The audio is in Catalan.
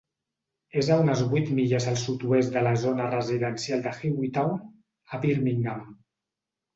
És a unes vuit milles al sud-oest de la zona residencial de Hueytown, a Birmingham.